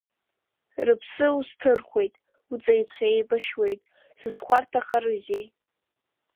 Рыԥсы узҭырхуеит, уҵеицәа еибашьуеит, сызхәарҭахарызеи?